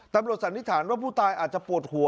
สันนิษฐานว่าผู้ตายอาจจะปวดหัว